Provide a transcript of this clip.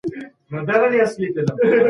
د پوهي رڼا تياره له منځه وړي.